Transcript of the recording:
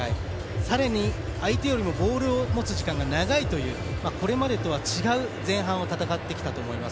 さらに、相手よりもボールを持つ時間が長いというこれまでとは違う前半を戦ってきたと思います。